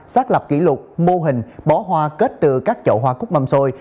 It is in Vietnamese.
xác lập kỷ lục mô hình bó hoa kết từ các chậu hoa cúc mâm xôi